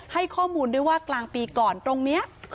ให้ข้อมูลด้วยว่ากลางปีก่อนตรงนี้